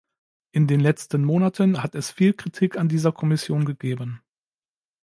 In den letzten Monaten hat es viel Kritik an dieser Kommission gegeben.